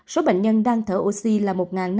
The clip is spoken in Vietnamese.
số bệnh nhân đang thở oxy là một năm trăm linh